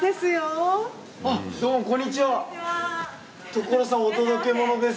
『所さんお届けモノです！』